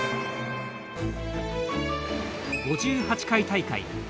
５８回大会。